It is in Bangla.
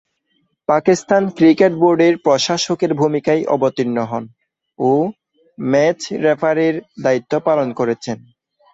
পাকিস্তান ক্রিকেট বোর্ডের প্রশাসকের ভূমিকায় অবতীর্ণ হন ও ম্যাচ রেফারির দায়িত্ব পালন করেছেন।